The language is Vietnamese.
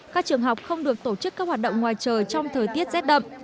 các trường học không được tổ chức các hoạt động ngoài trời trong thời tiết rét đậm